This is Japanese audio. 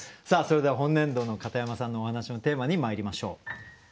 さあそれでは本年度の片山さんのお話のテーマにまいりましょう。